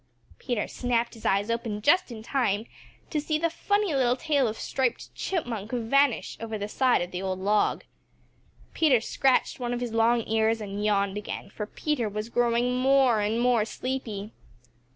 Peter snapped his eyes open just in time to see the funny little tail of Striped Chipmunk vanish over the side of the old log. Peter scratched one of his long ears and yawned again, for Peter was growing more and more sleepy.